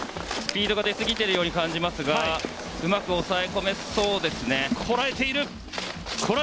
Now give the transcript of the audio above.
スピードが出すぎているように感じますがうまく抑え込めそうですね。